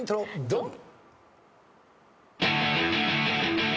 ドン！